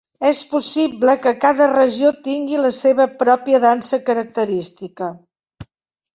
És possible que cada regió tingui la seva pròpia dansa característica.